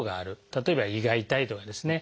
例えば胃が痛いとかですね